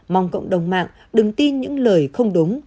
mong cộng đồng mạng đừng tin những lời không đúng